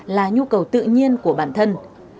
là nhu cầu tự nhiên của bản thân